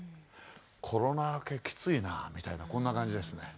コロナ明けきついなみたいなこんな感じですね。